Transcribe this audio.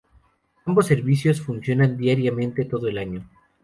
Ambos servicios funcionan diariamente todo el año.